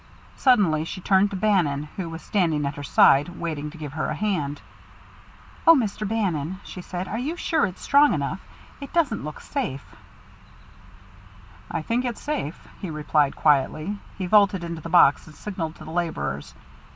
Suddenly she turned to Bannon, who was standing at her side, waiting to give her a hand. "Oh, Mr. Bannon," she said, "are you sure it's strong enough? It doesn't look safe." "I think it's safe," he replied quietly. He vaulted into the box and signalled to the laborers.